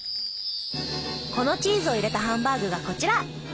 このチーズを入れたハンバーグがこちら！